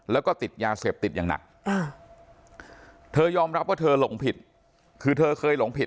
แล้วก็ติดยาเศษติดอย่างหนัก